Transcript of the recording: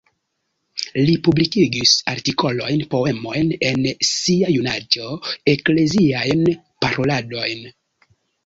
Li publikis artikolojn, poemojn en sia junaĝo, ekleziajn paroladojn.